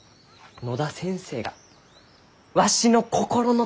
野田先生がわしの心の友じゃ！